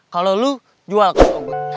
kalau lu jualkan